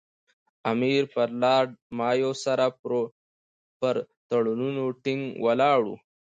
امیر پر لارډ مایو سره پر تړونونو ټینګ ولاړ وو.